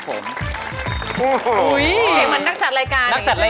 เสียงเหมือนนักจัดรายการอย่างนี้ใช่ไหม